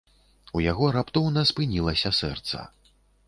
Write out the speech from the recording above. У яго раптоўна спынілася сэрца.